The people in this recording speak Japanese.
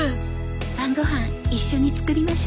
晩ご飯一緒に作りましょ。